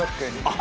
あ